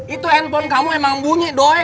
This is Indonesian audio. itu handphone kamu emang bunyi dong